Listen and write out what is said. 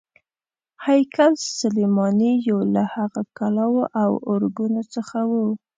هیکل سلیماني یو له هغو کلاوو او ارګونو څخه و.